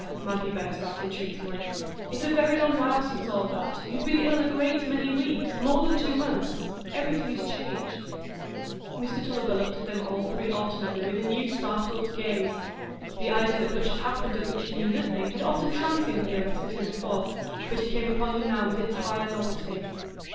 Maggie burst out entreatingly; "it's a very long while since all that; you've been ill a great many weeks,—more than two months; everything is changed." Mr Tulliver looked at them all three alternately with a startled gaze; the idea that much had happened of which he knew nothing had often transiently arrested him before, but it came upon him now with entire novelty.